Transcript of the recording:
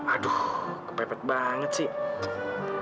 aduh kepepet banget sih